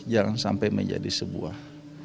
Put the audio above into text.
jangan sampai menjadi sebuah